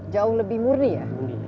jauh lebih murni ya